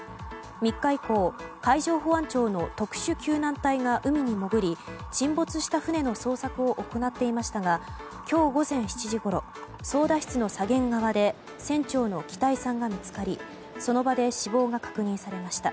３日以降、海上保安庁の特殊救難隊が海に潜り沈没した船の捜索を行っていましたが今日午前７時ごろ操舵室の左舷側で船長の北井さんが見つかりその場で死亡が確認されました。